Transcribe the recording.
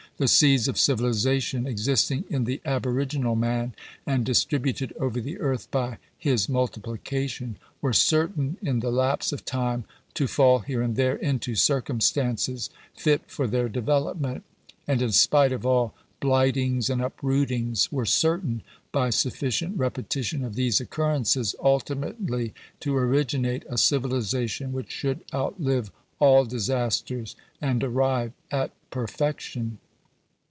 The seeds of civilization existing in the aboriginal man, and distributed over the earth by his multiplication, were Digitized by VjOOQIC 416 GENERAL CONSIDERATIONS. certain in the lapse of time to fall here and there into circum stances fit for their development ; and, in spite of all blight ings and uprootings, were certain, by sufficient repetition of these occurrences, ultimately to originate a civilization which should outlive all disasters and arrive at perfection.